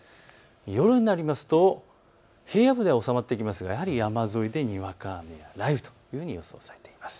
夜になりますと平野部では収まってきますがやはり山沿いでにわか雨、雷雨というふうに予想されています。